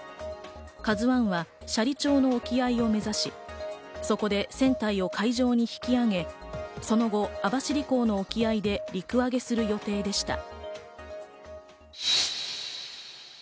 「ＫＡＺＵ１」は斜里町の沖合を目指し、そこで船体を海上に引き揚げ、その後、網走港の沖合で陸揚げする予定でした。